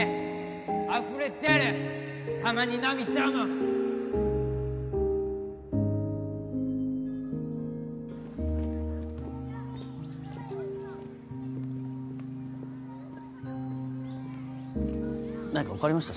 溢れ出るたまに涙も何か分かりました？